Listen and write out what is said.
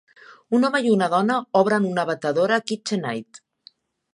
Un home i una dona obren una batedora KitchenAid.